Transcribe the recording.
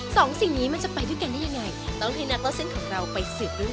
สองสิ่งนี้มันจะไปด้วยกันได้ยังไง